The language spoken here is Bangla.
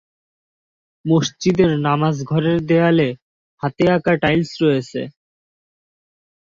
মসজিদের নামাজ ঘরের দেয়ালে হাতে আঁকা টাইলস রয়েছে।